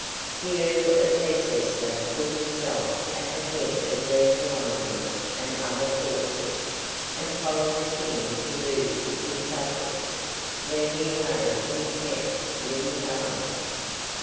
The Earl of Leicester put himself at the head of these Londoners and other forces, and followed the King to Lewes in Sussex, where he lay encamped with his army.